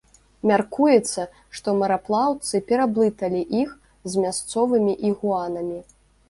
Мяркуецца, што мараплаўцы пераблыталі іх з мясцовымі ігуанамі.